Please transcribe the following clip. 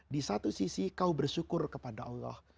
di satu sisi kau bersyukur kepada allah